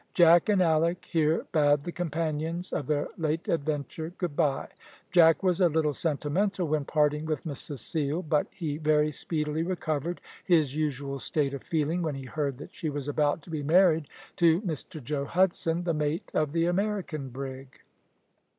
Jack and Alick here bade the companions of their late adventure good bye. Jack was a little sentimental when parting with Miss Cecile, but he very speedily recovered his usual state of feeling when he heard that she was about to be married to Mr Joe Hudson, the mate of the American brig.